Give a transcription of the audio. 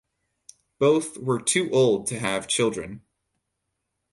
Both were too old to have children.